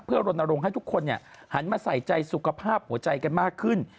เพื่อรณรงค์ให้ทุกคนหันมาใส่ใจสุขภาพหัวใจกันมากขึ้น